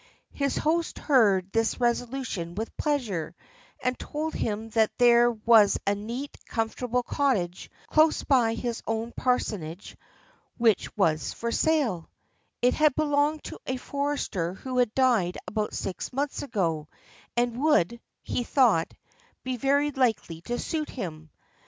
His host heard this resolution with pleasure, and told him that there was a neat, comfortable cottage, close by his own parsonage, which was for sale; it had belonged to a forester who had died about six months ago, and would, he thought, be very likely to suit him.